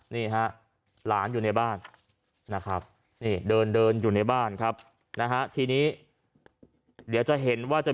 นี่ค่ะหลานอยู่ในบ้าน